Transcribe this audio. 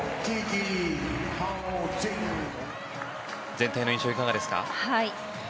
全体の印象いかがですか？